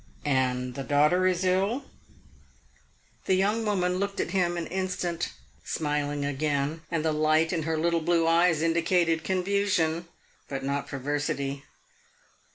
"And the daughter is ill?" The young woman looked at him an instant, smiling again, and the light in her little blue eyes indicated confusion, but not perversity.